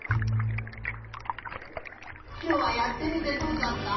きょうはやってみてどうだった？